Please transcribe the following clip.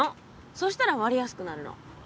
そしたら割れやすくなるの。